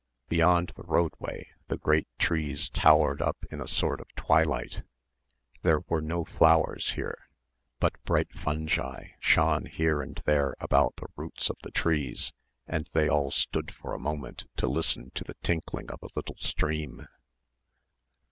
Beyond the roadway the great trees towered up in a sort of twilight. There were no flowers here, but bright fungi shone here and there about the roots of the trees and they all stood for a moment to listen to the tinkling of a little stream.